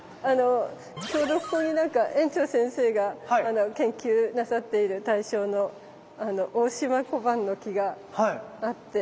ちょうどここに園長先生が研究なさっている対象のオオシマコバンノキがあって。